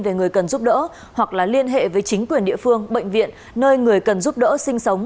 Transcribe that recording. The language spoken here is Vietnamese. về người cần giúp đỡ hoặc liên hệ với chính quyền địa phương bệnh viện nơi người cần giúp đỡ sinh sống